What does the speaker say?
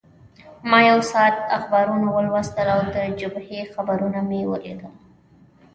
ما یو ساعت اخبارونه ولوستل او د جبهې خبرونه مې ولیدل.